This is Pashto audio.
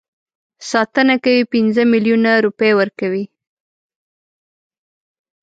ساتنه کوي پنځه میلیونه روپۍ ورکوي.